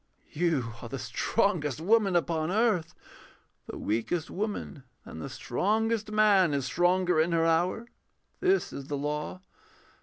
_] You are the strongest woman upon earth. The weakest woman than the strongest man Is stronger in her hour: this is the law.